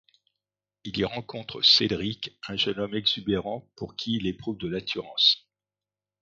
Il y rencontre Cédric, un jeune homme exubérant pour qui il éprouve de l'attirance.